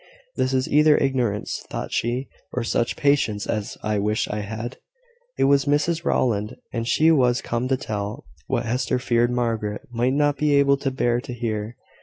"This is either ignorance," thought she, "or such patience as I wish I had." It was Mrs Rowland, and she was come to tell what Hester feared Margaret might not be able to bear to hear.